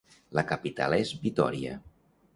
La capital és Vitória.